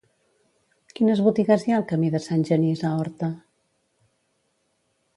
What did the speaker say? Quines botigues hi ha al camí de Sant Genís a Horta?